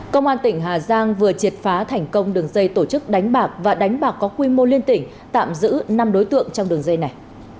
công an tỉnh hà giang vừa triệt phá thành công đường dây tổ chức đánh bạc và đánh bạc có quy mô liên tỉnh tạm giữ năm đối tượng trong đường dây này